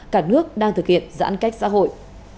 cả nước đang thực hiện giãn cách xã hội